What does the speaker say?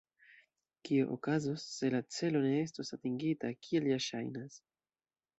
Kio okazos, se la celo ne estos atingita, kiel ja ŝajnas?